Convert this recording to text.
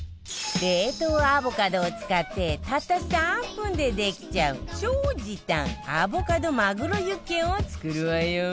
冷凍アボカドを使ってたった３分でできちゃう超時短アボカドマグロユッケを作るわよ